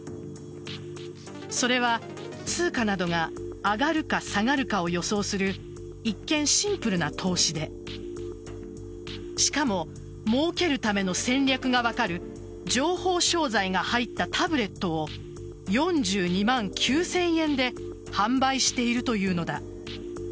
それは通貨などが上がるか下がるかを予想する一見シンプルな投資でしかももうけるための戦略が分かる情報商材が入ったタブレットを４２万９０００円で販売しているというのだ。